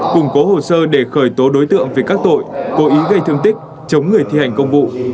củng cố hồ sơ để khởi tố đối tượng về các tội cố ý gây thương tích chống người thi hành công vụ